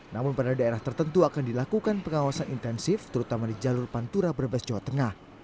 namun pada daerah tertentu akan dilakukan pengawasan intensif terutama di jalur pantura brebes jawa tengah